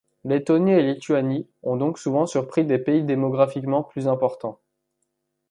Lettonie et Lituanie ont donc souvent surpris des pays démographiquement plus importants.